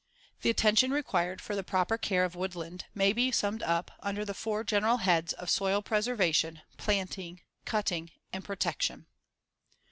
] The attention required for the proper care of woodland may be summed up under the four general heads of soil preservation, planting, cutting, and protection.